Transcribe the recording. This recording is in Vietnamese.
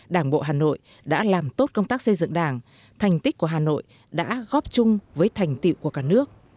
đảng bộ hà nội đã làm tốt công tác xây dựng đảng thành tích của hà nội đã góp chung với thành tiệu của cả nước